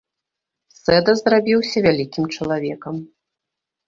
Сэдас зрабіўся вялікім чалавекам.